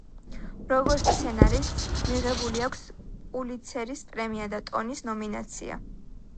როგორც სცენარისტ, მიღებული აქვს პულიცერის პრემია და ტონის ნომინაცია.